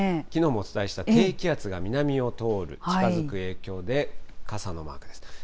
きのうもお伝えした低気圧が南を通る、近づく影響で、傘のマークです。